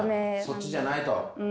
そっちじゃないと。